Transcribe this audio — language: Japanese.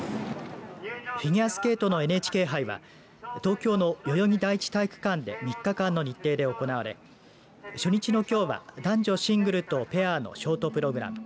フィギュアスケートのＮＨＫ杯は東京の代々木第一体育館で３日間の日程で行われ初日のきょうは男女シングルとペアのショートプログラム。